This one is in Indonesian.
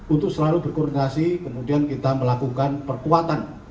untuk selalu berkoordinasi kemudian kita melakukan perkuatan